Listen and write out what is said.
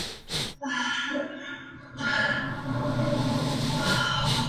Se lo encuentra en Bolivia, Colombia, Ecuador, Perú, y Venezuela.